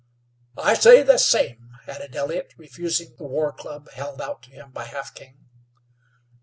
"I say the same," added Elliott, refusing the war club held out to him by Half King.